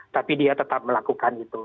tapi dia tetap melakukan itu